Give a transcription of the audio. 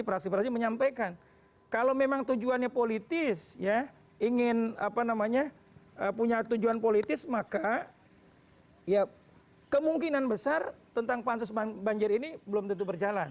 praksi praksi menyampaikan kalau memang tujuannya politis ingin punya tujuan politis maka ya kemungkinan besar tentang pansus banjir ini belum tentu berjalan